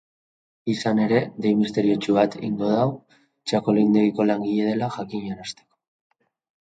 Izan ere, dei misteriotsu bat egingo du txakolindegiko langile dela jakinarazteko.